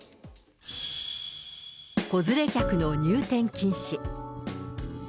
子連れ客の入店禁止。